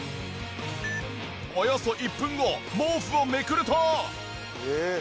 およそ１分後毛布をめくると。